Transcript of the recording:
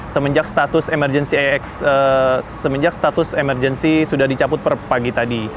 semenjak status emergency sudah dicaput per pagi tadi